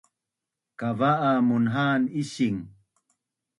Kava munha’an ising